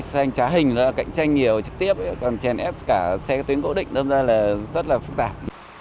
xe anh trá hình cạnh tranh nhiều trực tiếp cần chèn ép cả xe tuyến cố định nên rất là phức tạp